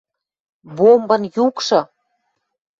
Бомбын юкшы —